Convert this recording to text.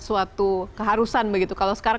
suatu keharusan begitu kalau sekarang